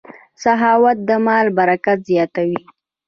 سخاوت د مال برکت زیاتوي.